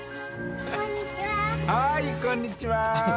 はーいこんにちは。